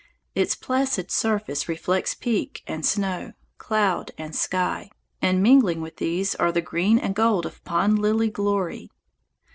Its placid surface reflects peak and snow, cloud and sky, and mingling with these are the green and gold of pond lily glory.